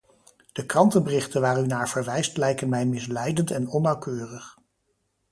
De krantenberichten waar u naar verwijst lijken mij misleidend en onnauwkeurig.